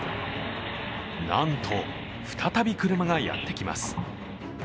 なんと、再び車がやってきます。